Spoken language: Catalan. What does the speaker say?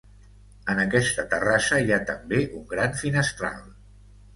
En aquesta terrassa hi ha també un gran finestral.